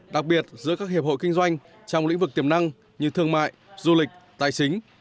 đặc biệt giữa các hiệp hội kinh doanh trong lĩnh vực tiềm năng như thương mại du lịch tài chính